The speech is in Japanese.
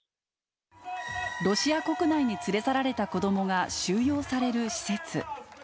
ロシア国内に連れ去られた子どもが収容される施設。